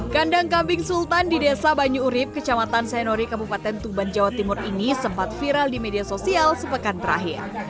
kandang kambing sultan di desa banyu urib kecamatan senori kabupaten tuban jawa timur ini sempat viral di media sosial sepekan terakhir